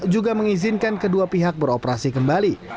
juga mengizinkan kedua pihak beroperasi kembali